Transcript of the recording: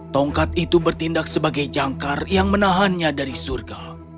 tongkat itu bertindak sebagai jangkar yang menahannya dari surga